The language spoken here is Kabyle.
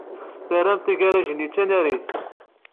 Terramt agaṛaj-nni d tanarit.